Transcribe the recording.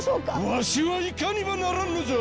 わしは行かねばならんのじゃ！